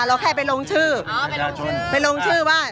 เราแค่ไปลงชื่อ